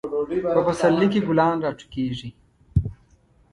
په پسرلی کې ګلان راټوکیږي.